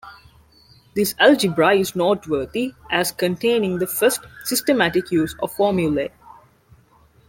This algebra is noteworthy as containing the first systematic use of formulae.